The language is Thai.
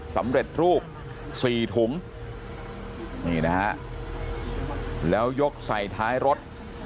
สำเร็จรูปสี่ถุงนี่นะฮะแล้วยกใส่ท้ายรถ